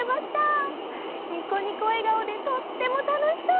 ニコニコえがおでとってもたのしそう！